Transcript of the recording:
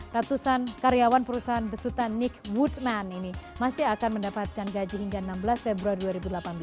ratusan karyawan perusahaan besutan nick woodman ini masih akan mendapatkan gaji hingga enam belas februari dua ribu delapan belas